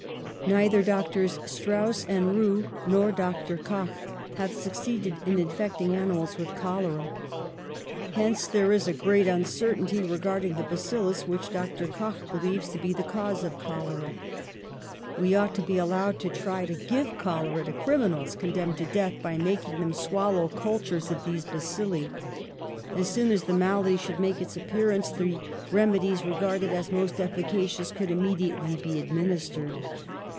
Neither Doctors Strauss and Roux nor Dr. Koch have succeeded in infect ing animals with cholera. Hence there is a great uncertainty regarding the bacillus which Dr. Koch believes to be the cause of cholera. 170 PASTEUR We ought to be allowed to try to give cholera to criminals condemned to death by making them swallow cultures of these bacilli. As soon as the malady should make its appearance the remedies regarded as most efficacious could im mediately be administered.